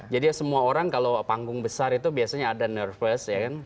jadi semua orang kalau panggung besar itu biasanya ada nervous ya kan